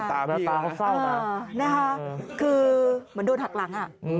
เท่ามันดูถักหลัง